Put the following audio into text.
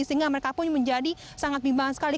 sehingga mereka pun menjadi sangat bimbang sekali